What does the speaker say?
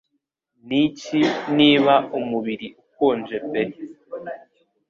Niki 'niba umubiri ukonje pe